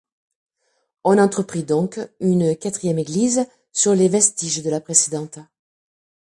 On entreprit donc une quatrième église sur les vestiges de la précédente.